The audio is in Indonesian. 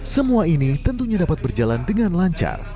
semua ini tentunya dapat berjalan dengan lancar